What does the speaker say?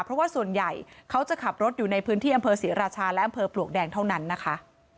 เพราะว่าส่วนใหญ่เขาจะขับรถอยู่ในพื้นที่อำเภอศรีราชาและอำเภอปลวกแดงเท่านั้นนะคะ